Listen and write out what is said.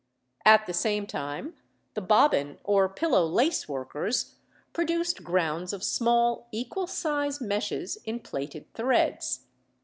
At the same time, the bobbin or pillow lace workers produced grounds of small equal size meshes in plaited threads.